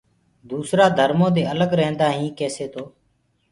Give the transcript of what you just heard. دوسرآ ڌرمودي الگ ريهدآئينٚ ڪيسي تو